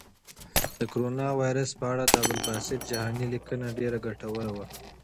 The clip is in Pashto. د کرونا وېروس په اړه د عبدالباسط جهاني لیکنه ډېره ګټوره وه.